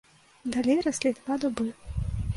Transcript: Далей раслі два дубы.